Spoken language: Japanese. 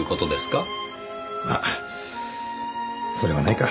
まっそれはないか。